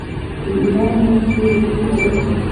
د ایران نفوس ډیر دی.